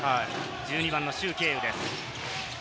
１２番のシュウ・ケイウです。